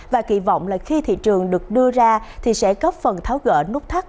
và kỳ vọng khi thị trường được đưa ra sẽ góp phần tháo gỡ nút thắt